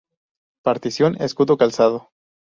Partición: Escudo calzado.